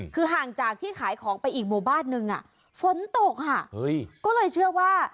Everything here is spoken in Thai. คือห่างจากที่ขายของไปอีกหมู่บ้านนึงอ่ะฝนตกอ่ะเฮ้ยก็เลยเชื่อว่า